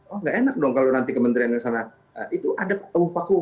oh gak enak dong kalau nanti kementerian di sana itu ada awuh paku